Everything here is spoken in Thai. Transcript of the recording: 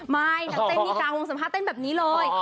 ไม่แต่เต้นที่กลางวงสัมภาพเต้นแบบนี้เลย